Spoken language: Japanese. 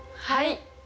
はい！